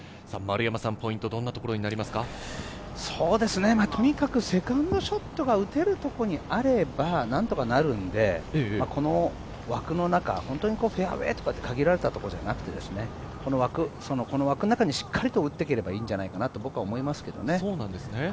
ポイントはどとにかくセカンドショットが打てるところにあればなんとかなるんで、この枠の中、フェアウエーとか限られたところではなくて、この枠の中にしっかりと打っていけばいいんじゃないかなと思います。